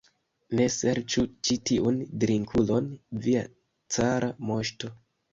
Ne serĉu ĉi tiun drinkulon, via cara moŝto!